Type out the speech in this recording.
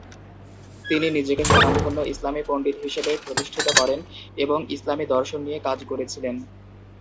তিনি নিজেকে স্বনামধন্য ইসলামী পণ্ডিত হিসেবে প্রতিষ্ঠিত করেন এবং ইসলামী দর্শন নিয়ে কাজ করেছিলেন।